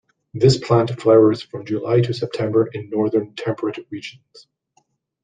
This plant flowers from July to September in northern temperate regions.